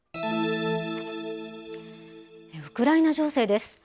ウクライナ情勢です。